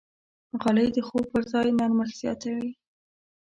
غالۍ د خوب پر ځای نرمښت زیاتوي.